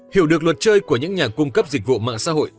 hiểu được luật chơi của những nhà cung cấp dịch vụ mạng xã hội